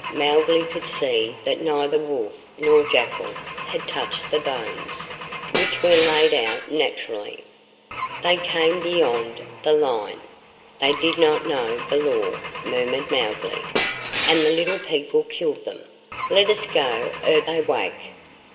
Mowgli could see that neither wolf nor jackal had touched the hones, which were laid out naturally. "They came beyond the line; they did not know the Law," murmured Mowgli, "and the Little People killed them. Let us go ere they wake."